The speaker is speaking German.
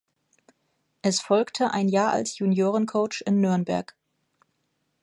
Es folgte ein Jahr als Junioren-Coach in Nürnberg.